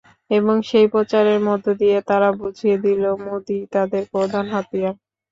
এবং সেই প্রচারের মধ্য দিয়ে তারা বুঝিয়ে দিল, মোদিই তাদের প্রধান হাতিয়ার।